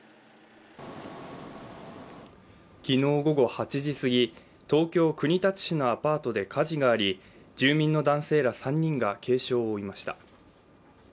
昨日午後８時すぎ、東京・国立市のアパートで火事があり住民の男性ら３人が軽傷を負いました。